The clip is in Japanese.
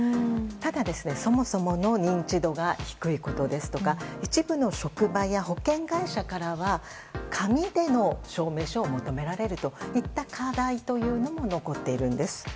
ただ、そもそもの認知度が低いことですとか一部の職場や保険会社からは紙での証明書を求められるといった課題というのも残っているんです。